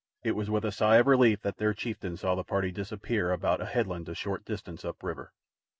It was with a sigh of relief that their chieftain saw the party disappear about a headland a short distance up river.